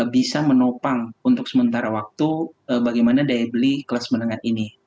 bisa menopang untuk sementara waktu bagaimana daya beli kelas menengah ini